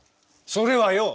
それはよ